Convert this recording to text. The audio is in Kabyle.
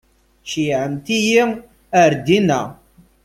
Ceyyɛemt-iyi ar dina.